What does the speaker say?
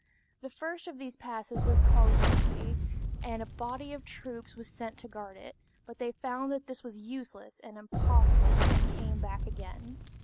The first of these passes was called Tempe, and a body of troops was sent to guard it; but they found that this was useless and impossible, and came back again.